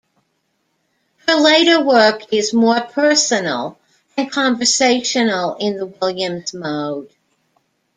Her later work is more personal and conversational in the Williams mode.